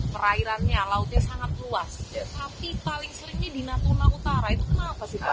perairannya lautnya sangat luas